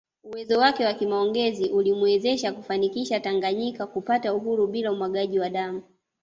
Uwezo wake wa kimaongezi ulimwezesha kufanikisha Tanganyika kupata uhuru bila umwagaji wa damu